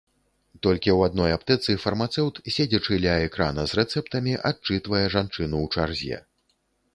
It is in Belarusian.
Толькі ў адной аптэцы фармацэўт, седзячы ля экрана з рэцэптамі адчытвае жанчыну ў чарзе.